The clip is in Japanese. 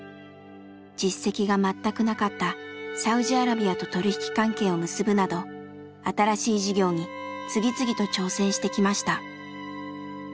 実績が全くなかったサウジアラビアと取り引き関係を結ぶなど新しい事業に次々と挑戦してきました。